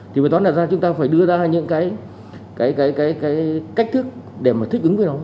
thì phải toán là ra chúng ta phải đưa ra những cách thức để thích ứng với nó